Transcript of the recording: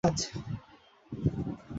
একটা বই রাখিবার ছোট দেরাজ।